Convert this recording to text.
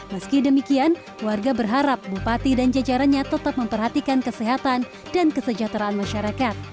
meski demikian warga berharap bupati dan jajarannya tetap memperhatikan kesehatan dan kesejahteraan masyarakat